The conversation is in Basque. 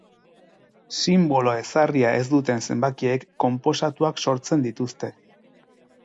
Sinbolo ezarria ez duten zenbakiek, konposatuak sortzen dituzte.